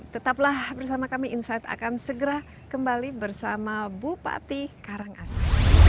tetaplah bersama kami insight akan segera kembali bersama bupati karangasem